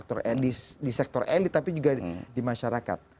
tidak hanya di sektor elit tapi juga di masyarakat